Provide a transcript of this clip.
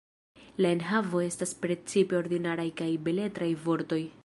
La enhavo estas precipe ordinaraj kaj beletraj vortoj.